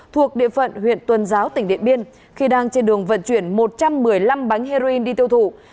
thuộc địa phận huyện tuần giáo tỉnh điện biên khi đang trên đường vận chuyển một trăm một mươi năm bánh heroin đi tiêu thụ